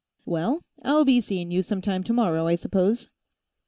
Well, I'll be seeing you some time tomorrow, I suppose?"